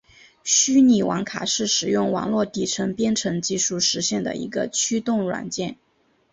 虚拟网卡是使用网络底层编程技术实现的一个驱动软件。